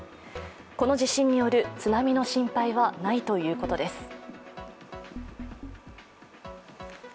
この地震による津波の心配はないということです。